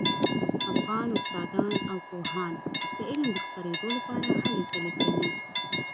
افغان استادان او پوهان د علم د خپریدو لپاره هلې ځلې کوي